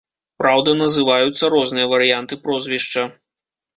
Праўда, называюцца розныя варыянты прозвішча.